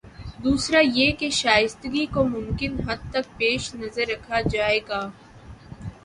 دوسرا یہ کہ شائستگی کو ممکن حد تک پیش نظر رکھا جائے گا۔